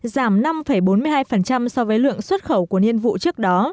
giảm năm bốn mươi hai so với lượng xuất khẩu của nhiên vụ trước đó